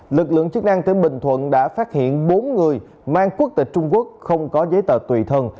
lực lượng chức năng tỉnh bình thuận đã phát hiện bốn người mang quốc tịch trung quốc không có giấy tờ tùy thân